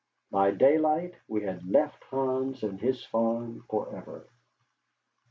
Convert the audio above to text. By daylight we had left Hans and his farm forever.